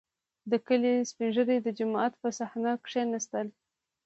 • د کلي سپین ږیري د جومات په صحنه کښېناستل.